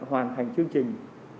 hoàn thành chương trình